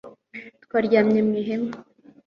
Twaryamye mu ihema